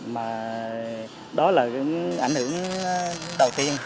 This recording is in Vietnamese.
mà đó là ảnh hưởng đầu tiên